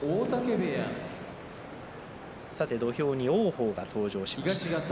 土俵に王鵬が登場です。